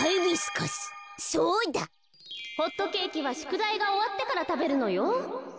かいそうホットケーキはしゅくだいがおわってからたべるのよ。